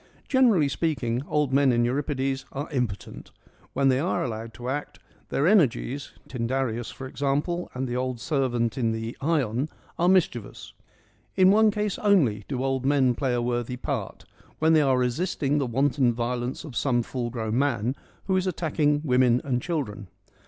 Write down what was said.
Generally speaking, old men in Euripides are impotent : when they are allowed to act, their EURIPIDES 91 energies — Tyndareus for example, and the old ser vant in the Ion — are mischievous. In one case only do old men play a worthy part ; when they are resisting the wanton violence of some full grown man who is attacking women and children.